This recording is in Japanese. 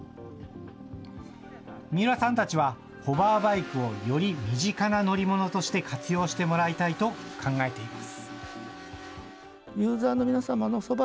三浦さんたちはホバーバイクをより身近な乗り物として活用してもらいたいと考えています。